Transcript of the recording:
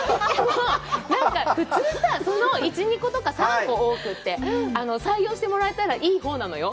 なんか普通さ、その１２個とか、３個、多くて、採用してもらえたら、いいほうなのよ。